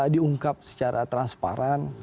diungkap secara transparan